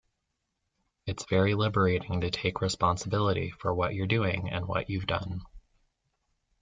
It's very liberating to take responsibility for what you're doing and what you've done.